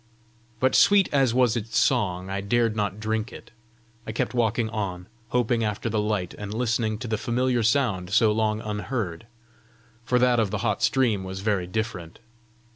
But sweet as was its song, I dared not drink of it; I kept walking on, hoping after the light, and listening to the familiar sound so long unheard for that of the hot stream was very different.